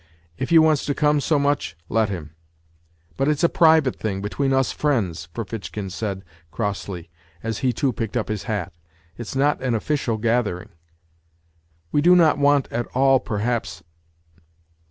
" If he wants to come so much, let him." " But it's a private thing, between us friends," Ferfitchkin said crossly, as he, too, picked up his hat. " It's not an official gathering." " We do not want at all, perhaps